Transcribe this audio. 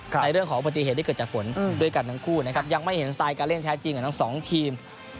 ในเรื่องของอุบัติเหตุที่เกิดจากฝนด้วยกันทั้งคู่นะครับยังไม่เห็นสไตล์การเล่นแท้จริงของทั้งสองทีม